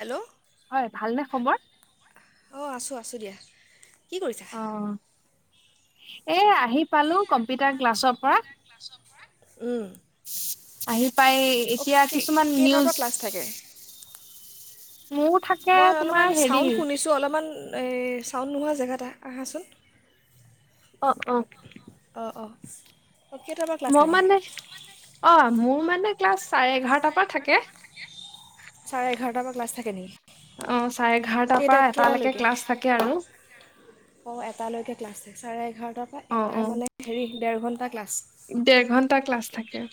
Hello হয় ভালনে খবৰ অঁ আছোঁ আছোঁ দিয়া কি কৰিছা অ' অ' এইয়া আহি পালো কম্পিউাৰ ক্লাচৰ পৰা উম আহিব পাইয়ে এতিয়া অ'কে কিছুমান কেইটাৰ নিউজ পৰা ক্লাছ থাকে মোৰ থাকে মই তোমাৰ অলপমান হেৰি চাউণ্ড শুনিছোঁ অলপমান এই চাউণ্ড নোহোৱা জেগাত আহাচোন। অ', অ। অ', অ। মই মানে, অ', মোৰ মানে ক্লাছ চাৰে এঘাৰটাৰ পা থাকে চাৰে এঘাৰটাৰ পৰা ক্লাছ থাকে নেকি অ চাৰে এঘাৰটাৰ পৰা কেইটা এটালৈকে কেইটালৈকে ক্লাছ থাকে আৰু ক্লাছে চাৰে এঘাৰ [unintelligible] অ' এটা অ' মানে হেৰি ডেৰ ঘণ্টা ক্লাছ। ডেৰ ঘন্টা ক্লাছ থাকে।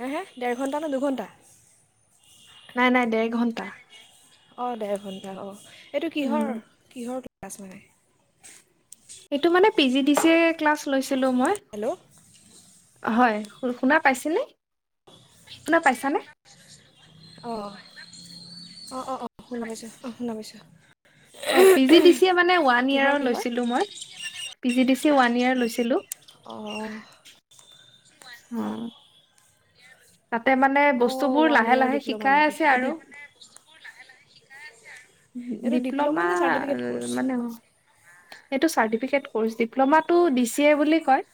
হে হে ডেৰ ঘণ্টা নে দুঘণ্টা? নাই নাই দেৰ ঘণ্টা। অ', দেৰ ঘণ্টা অ। এইটো উম কিহৰ, কিহৰ [unintelligible] মানে এইটো মানে P G D C A ৰ ক্লাছ লৈছ লো মই হেল্ল' হয়, শুনা পাইছে নে, শুনা পাইছানে? অ', অ- অ- অ। [unintelligible] অ', পি জি ডি চিয়ে মানে ওৱান কিহৰ ইয়েৰৰ কিহৰ লৈছিলোঁ মই P G D C one year লৈছিলোঁ। অ উ। তাতে মানে অঁ বস্তুবোৰ ওৱান লাহে ইয়েৰ লাহে ডিপ্ল'মা শিকাই নেকি আছে অঁ ডি আৰু এইটো ডিপ্ল'মা নে চাৰ্টিফিকেট ক'ৰ্চ মানে? এইটো চাৰ্তিফিকেত ক'ৰ্চ ডিপ্লমা টো দি সি এ বুলি কয়,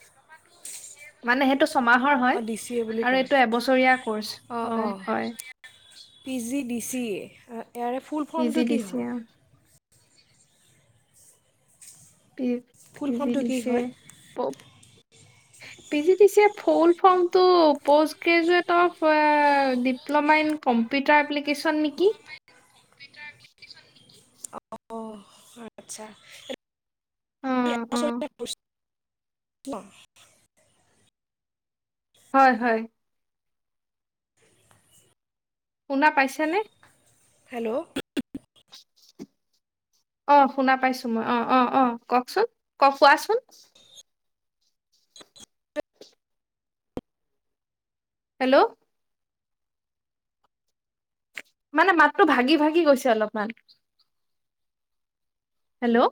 মানে সেইটো ছমাহৰ হয়, অঁ ডি চি এ বুলি আৰু কয় এবছৰিয়া ক'ৰ্চ, অঁ অ', অঁ হয়। P G D C A ইয়াৰে ফুল পি ফৰ্মটো জি দি কি চি হয় [unintelligible] পি, ফুল পি জি ফৰ্মটো দি কি চি এ। হয় প P G D C A ৰফোল ফৰ্মটো post graduate of diploma in computer application নেকি অঁ আচ্ছা। [inaudible] অ' অ' না হয় হয় শুনা পাইছে নে হেল্ল' অ শুনা পাইছো মই অ অ অ কওঁকচোন, কোৱাচোন হেল্ল' মানে মাতটো ভাগি ভাগি গৈছে অলপমান হেল্ল'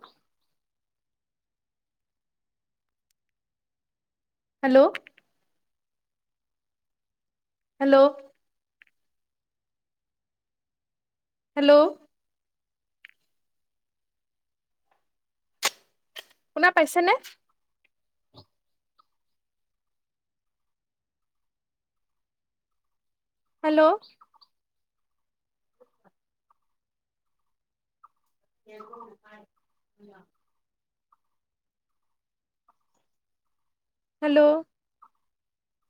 হেল্ল' হেল্ল' হেল্ল' শুনা পাইছেনে হেল্ল' [inaudible] হেল্ল'